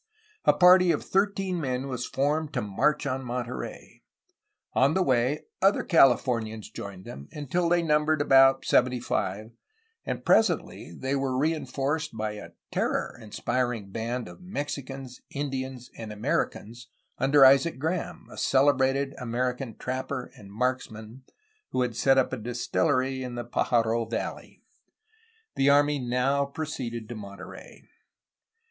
A party of thirteen men was formed to march on Monterey. On the way, other Californians joined them until they num bered about seventy five, and presently they were rein forced by a terror inspiring band of Mexicans, Indians, and Americans under Isaac Graham, a celebrated American trapper and marksman who had set up a distillery in the Pajaro Valley. The army now proceeded to Monterey.